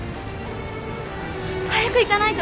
早く行かないと。